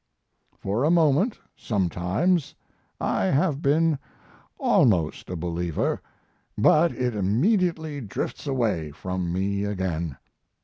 For a moment, sometimes, I have been almost a believer, but it immediately drifts away from me again.